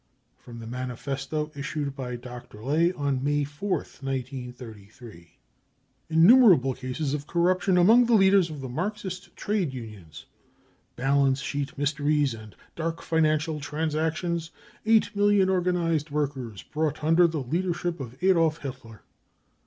(From the manifesto issued by Dr. Ley on May 4th, 1933.) •••»*•»* c £ Innumerable cases of corruption among the leaders of the Marxist trade unions : balance sheet mysteries and dark financial transactions : eight million organised workers brought under the leadership of Adolf Hitler."